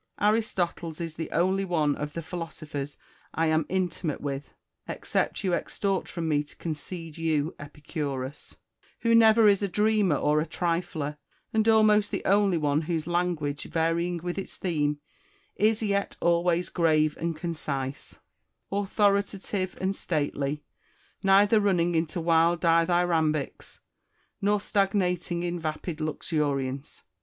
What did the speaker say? Aristoteles is the only one of the philosophers I am intimate with (except you extort from me to concede you Epicurus) who never is a dreamer or a trifler, and almost the only one whose language, varying witli its theme, is yet always grave and concise, authoritative and stately, neither running into wild dithy rambics, nor stagnating in vapid luxuriance.